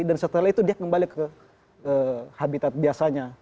dan setelah itu dia kembali ke habitat biasanya